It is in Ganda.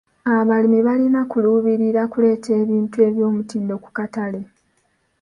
Abalimi balina kuluubirira kuleeta ebintu eby'omutindo ku katale.